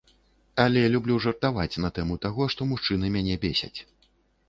Але люблю жартаваць на тэму таго, што мужчыны мяне бесяць.